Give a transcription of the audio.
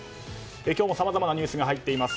今日もさまざまなニュースが入っています。